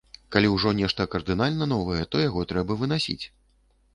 Калі ўжо нешта кардынальна новае, то яго трэба вынасіць.